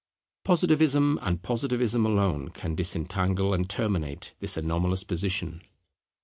Positivism and Positivism alone can disentangle and terminate this anomalous position.